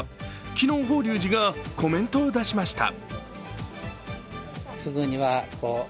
昨日、法隆寺がコメントを出しました。